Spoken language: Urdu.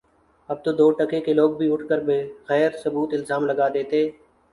اب تو دو ٹکے کے لوگ بھی اٹھ کر بغیر ثبوت الزام لگا دیتے